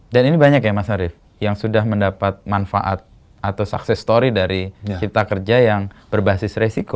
dan ini banyak ya mas arief yang sudah mendapat manfaat atau success story dari cipta kerja yang berbasis resiko